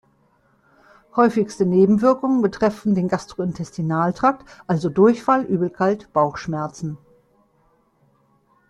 Häufigste Nebenwirkungen betreffen den Gastrointestinaltrakt, also Durchfall, Übelkeit, Bauchschmerzen.